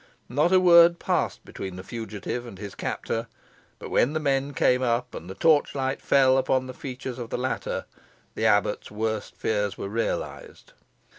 Not a word passed between the fugitive and his captor; but when the men came up, and the torchlight fell upon the features of the latter, the abbot's worst fears were realised.